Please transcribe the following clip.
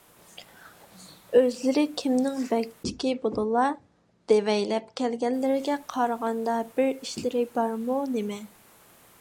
ئۆزلىرى كىمنىڭ بەگچىكى بولىلا؟ دېۋەيلەپ كەلگەنلىرىگە قارىغاندا بىر ئىشلىرى بارمۇ، نېمە؟